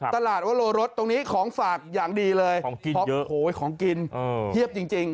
ตลาดวัลโลรสตรงนี้ของฝากอย่างดีเลยของกินเยอะของกินเทียบจริง